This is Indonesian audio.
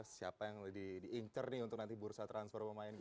siapa yang diincer nih untuk nanti bursa transfer pemain